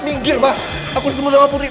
minggir pak aku ketemu sama putri